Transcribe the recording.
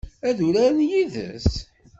Ad uraren yid-s?